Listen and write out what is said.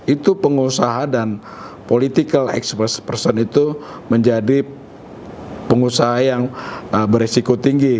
itu pengusaha dan political expert person itu menjadi pengusaha yang beresiko tinggi